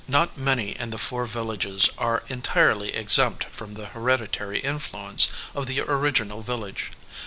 Not many in the four villages are entirely exempt from the hereditary influence of the orig inal village.